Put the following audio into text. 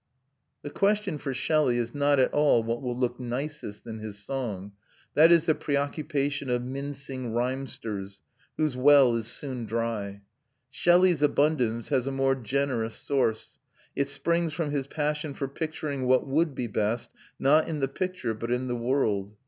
The question for Shelley is not at all what will look nicest in his song; that is the preoccupation of mincing rhymesters, whose well is soon dry. Shelley's abundance has a more generous source; it springs from his passion for picturing what would be best, not in the picture, but in the world.